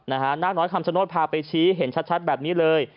นางน้อยคำชโนธพาไปชี้เห็นชัดแบบนี้เลย